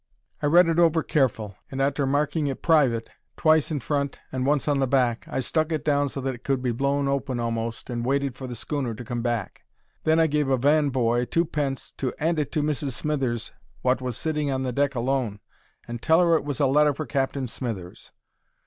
I read it over careful, and arter marking it "Private," twice in front and once on the back, I stuck it down so that it could be blown open a'most, and waited for the schooner to come back. Then I gave a van boy twopence to 'and it to Mrs. Smithers, wot was sitting on the deck alone, and tell 'er it was a letter for Captain Smithers.